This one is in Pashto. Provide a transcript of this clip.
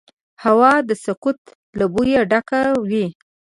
هوا د سکوت له بوی ډکه وي